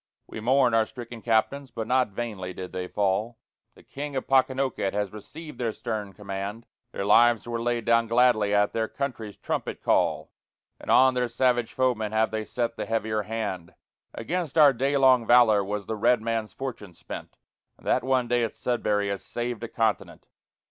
We mourn our stricken Captains, but not vainly did they fall: The King of Pocanoket has received their stern command; Their lives were laid down gladly at their country's trumpet call, And on their savage foemen have they set the heavier hand; Against our day long valor was the red man's fortune spent And that one day at Sudbury has saved a continent.